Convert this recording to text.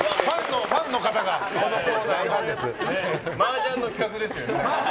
マージャンの企画ですよね。